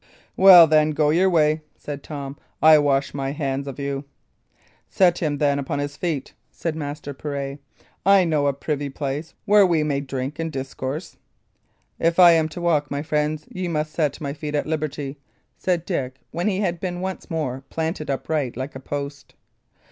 "Well, then, go your way," said Tom; "I wash my hands of you." "Set him, then, upon his feet," said Master Pirret. "I know a privy place where we may drink and discourse." "If I am to walk, my friends, ye must set my feet at liberty," said Dick, when he had been once more planted upright like a post.